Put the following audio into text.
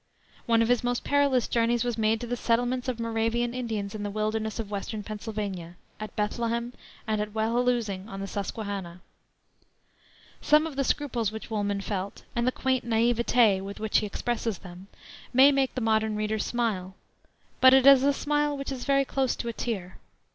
One of his most perilous journeys was made to the settlements of Moravian Indians in the wilderness of Western Pennsylvania, at Bethlehem, and at Wehaloosing, on the Susquehanna. Some of the scruples which Woolman felt, and the quaint naïveté with which he expresses them, may make the modern reader smile but it is a smile which is very close to a tear.